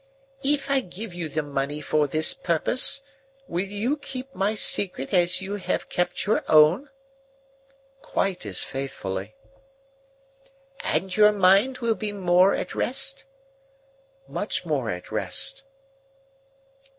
"If I give you the money for this purpose, will you keep my secret as you have kept your own?" "Quite as faithfully." "And your mind will be more at rest?" "Much more at rest."